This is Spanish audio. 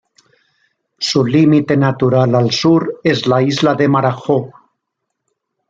Su límite natural al sur es la isla de Marajó.